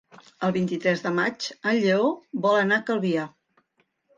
El vint-i-tres de maig en Lleó vol anar a Calvià.